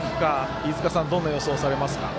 飯塚さんどんな予想されますか。